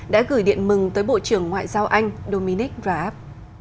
đã gửi điện mừng tới bộ trưởng ngoại giao anh dominic raab